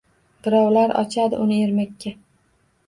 Birovlar ochadi uni ermakka